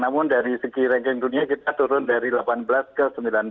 namun dari segi ranking dunia kita turun dari delapan belas ke sembilan belas